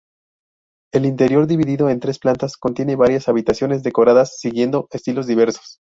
El interior, dividido en tres plantas, contiene varias habitaciones decoradas siguiendo estilos diversos.